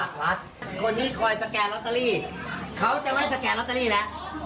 คนที่คอยสแกนลอตเตอรี่เขาจะไม่สแกนลอตเตอรี่แล้ว